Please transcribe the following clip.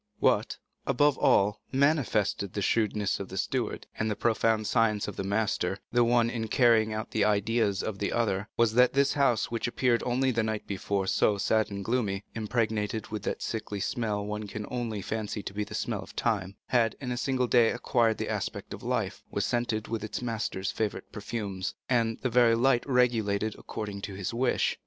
What, above all, manifested the shrewdness of the steward, and the profound science of the master, the one in carrying out the ideas of the other, was that this house which appeared only the night before so sad and gloomy, impregnated with that sickly smell one can almost fancy to be the smell of time, had in a single day acquired the aspect of life, was scented with its master's favorite perfumes, and had the very light regulated according to his wish.